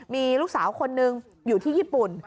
มีลูกสาวคนนึงอยู่ที่ญี่ปุ่น